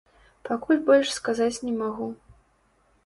Пакуль больш сказаць не магу.